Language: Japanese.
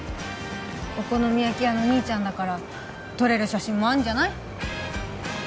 お好み焼き屋の兄ちゃんだから撮れる写真もあんじゃない？